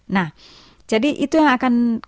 nah jadi itu yang akan